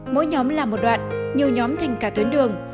mỗi nhóm là một đoạn nhiều nhóm thành cả tuyến đường